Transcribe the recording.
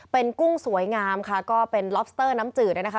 เป็นกุ้งสวยงามค่ะก็เป็นล็อบสเตอร์น้ำจืดนะคะ